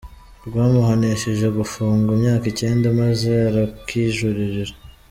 Rwamuhanishije gufungwa imyaka icyenda maze arakijuririra.